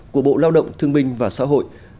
của bộ lao động thương minh và xã hội